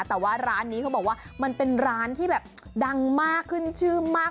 แต่ว่าร้านนี้เขาบอกว่ามันเป็นร้านที่แบบดังมากขึ้นชื่อมาก